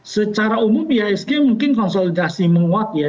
secara umum ihsg mungkin konsolidasi menguat ya